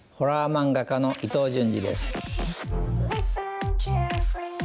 ホラー漫画家の伊藤潤二です。